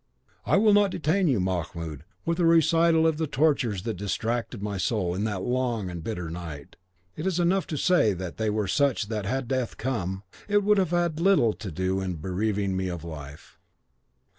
I will not detain you, Mahmoud, with a recital of the tortures that distracted my soul in that long and bitter night; it is enough to say that they were such that had death come, it would have had little to do in bereaving me of life.